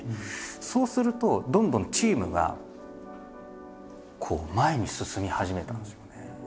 そうするとどんどんチームがこう前に進み始めたんですよね。